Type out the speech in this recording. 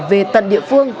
về tận địa phương